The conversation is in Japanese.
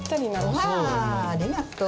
わありがとう。